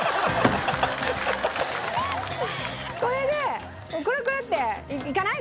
これでクルクルっていかない？